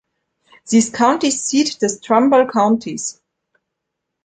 Sie ist County Seat des Trumbull Countys.